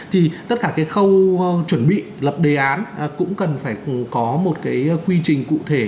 thì tất cả cái khâu chuẩn bị lập đề án cũng cần phải có một cái quy trình cụ thể